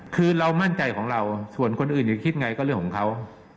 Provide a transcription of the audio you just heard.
คือเรามั่นใจของเราส่วนคนอื่นจะคิดไงก็เรื่องของเขา